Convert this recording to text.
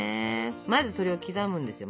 まずそれを刻むんですよ